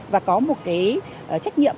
và có một cái trách nhiệm